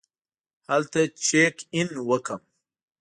هلته چېک اېن وکړم.